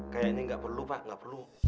kayak ini gak perlu pak gak perlu